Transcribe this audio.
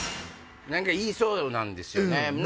言いそうなんですよね。